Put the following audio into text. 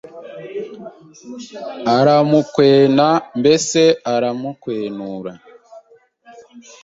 aramukwena mbese aramukwenura